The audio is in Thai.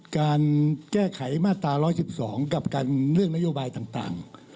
การแก้ไขมาตรา๑๑๒กับการเลือกนโยบายต่าง